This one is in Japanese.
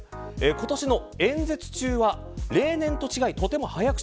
今年の演説中は例年と違い、とても早口。